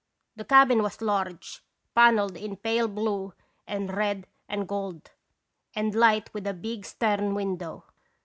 The cabin was large, panelled in pale blue and red and gold, and light with a big stern window.